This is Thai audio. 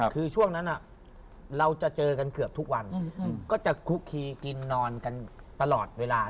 คือช่วงนั้นเราจะเจอกันเกือบทุกวันก็จะคุกคีกินนอนกันตลอดเวลา